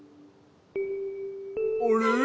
あれ？